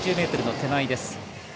１３０ｍの手前です。